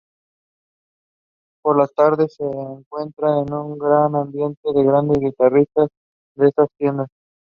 Por las tardes se concentraba un gran ambiente de grandes guitarristas en estas tiendas.